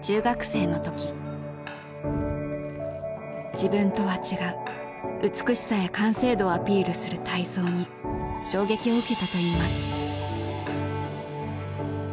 自分とは違う美しさや完成度をアピールする体操に衝撃を受けたといいます。